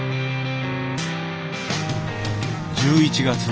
１１月。